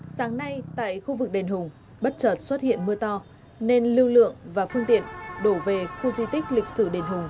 sáng nay tại khu vực đền hùng bất chợt xuất hiện mưa to nên lưu lượng và phương tiện đổ về khu di tích lịch sử đền hùng